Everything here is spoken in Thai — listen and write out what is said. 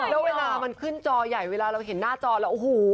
แล้วเวลามันขึ้นจอใหญ่เวลาเราเห็นหน้าจอแล้วโอ้โห